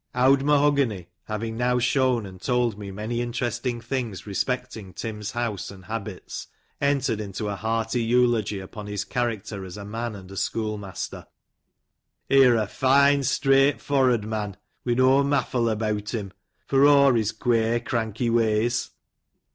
"Owd Mahogany" having now shown and told me many interesting things respecting Tim's house and habits, entered into a hearty eulogy upon his character as a man and a schoolmaster " Here a fine, straight forrud mon, wi no maffle abeawt him, for o' his quare, cranky ways."